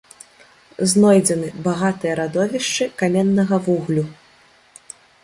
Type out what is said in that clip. Знойдзены багатыя радовішчы каменнага вуглю.